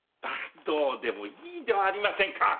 どうでもいいではありませんか！